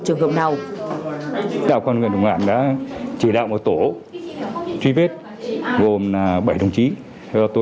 trường hợp nào